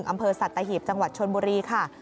อำเภอสัตหีบจังหวัดชนบุรีค่ะ